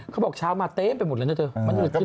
เขาบอกเช้ามาเต้นไปหมดเลยเนี่ยเถอะ